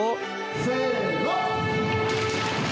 せの！